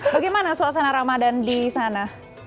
bagaimana suasana ramadan di sana